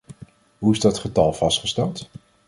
Hoe is dat getal vastgesteld?